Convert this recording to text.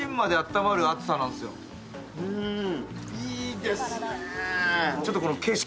いいですね。